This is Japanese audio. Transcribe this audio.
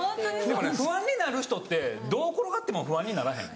でもね不安になる人ってどう転がっても不安にならへん？